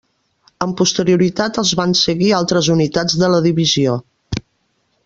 Amb posterioritat els van seguir altres unitats de la divisió.